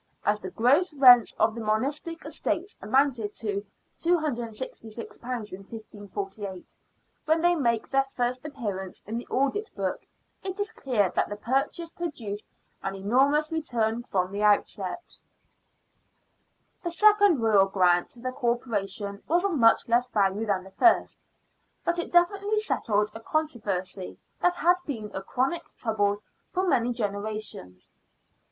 As the gross rents of the monastic estates amounted to £266 in 1548, when they make their first appearance in the audit book, it is clear that the purchase produced an enormous return from the outset. The second royal grant to the Corporation was of much less value than the first, but it definitely settled a controversy that had been a chronic trouble for many generations.